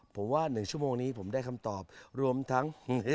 ผมว่า๑ชั่วโมงนี้ผมได้คำตอบรวมทั้ง